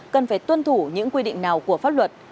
cần phải tuân thủ những quy định nào của pháp luật